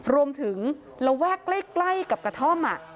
รวมถึงเราแวกใกล้กับกระท่อม